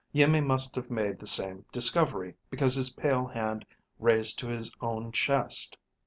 Iimmi must have made the same discovery, because his pale hand raised to his own chest.